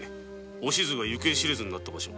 おしずが行方知れずになった場所。